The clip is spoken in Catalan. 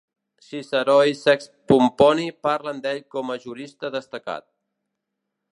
Ciceró i Sext Pomponi parlen d'ell com a jurista destacat.